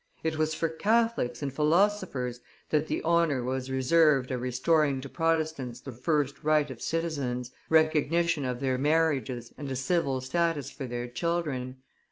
It was for Catholics and philosophers that the honor was reserved of restoring to Protestants the first right of citizens, recognition of their marriages and a civil status for their children.